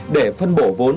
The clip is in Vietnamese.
để phân bổ vốn